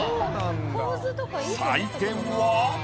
採点は。